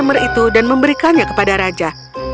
dia menemukan itu dan memberikannya kepada raja